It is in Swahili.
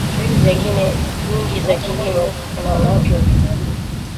shughuli nyingi za kilimo hufanywa na wanawake wa vijijini